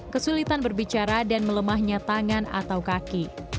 kesulitan berbicara dan melemahnya tangan atau kaki